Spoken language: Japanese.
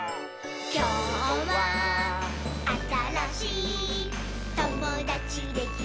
「きょうはあたらしいともだちできるといいね」